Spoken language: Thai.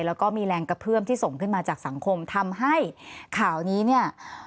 แล้วก็มีแรงกระเพื่อมที่ส่งขึ้นมาจากสังคมทำให้ข่าวนี้เนี่ย